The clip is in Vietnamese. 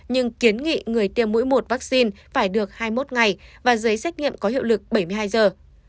nhưng kiến nghị người tiêm mũi một vaccine phải được hai mươi một ngày và giấy xét nghiệm có hiệu lực bảy mươi hai giờ